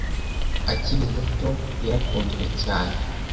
Akiri muto, yarakunzwe cyane.